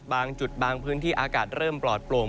บางจุดบางพื้นที่อากาศเริ่มปลอดโปร่ง